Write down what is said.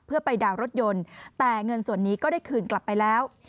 เพื่อไปดาวน์รถยนต์แต่เงินส่วนนี้ก็ได้คืนกลับไปแล้ว